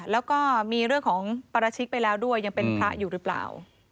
แล้วก็มีเรื่องของปราชิกไปแล้วด้วยยังเป็นพระอยู่หรือเปล่า